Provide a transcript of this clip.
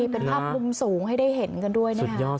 เป็นภาพมุมสูงให้ได้เห็นกันด้วยนะครับ